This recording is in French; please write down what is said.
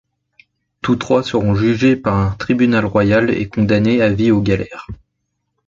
Tous trois seront jugés par un tribunal royal et condamnés à vie aux galères.